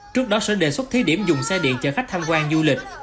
trước đó sở đề xuất thí điểm dùng xe điện chở khách tham quan du lịch